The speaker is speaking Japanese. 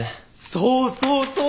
そうそうそう！